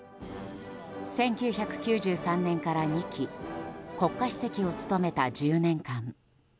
１９９３年から２期国家主席を務めた１０年間。